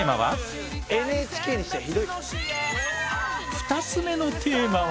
２つ目のテーマは。